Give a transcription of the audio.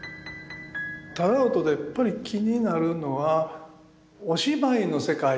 楠音でやっぱり気になるのはお芝居の世界